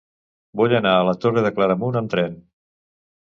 Vull anar a la Torre de Claramunt amb tren.